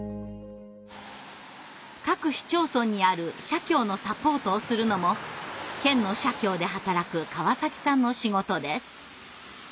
各市町村にある社協のサポートをするのも県の社協で働く川崎さんの仕事です。